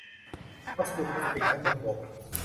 วัสดุพลาสติก ทั้งบนบก